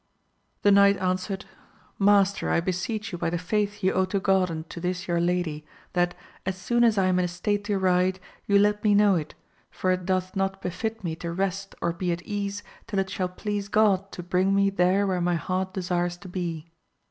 The knight answered, Master, I beseech you by the faith you owe to God and to this your lady, that, as soon as I am in a state to ride, you let me know it, for it doth not befit me to rest or be at ease, till it shall please God to bring me there where my heart desires to be.